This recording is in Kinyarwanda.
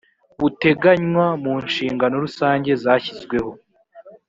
buteganywa mu nshingano rusange zashyizweho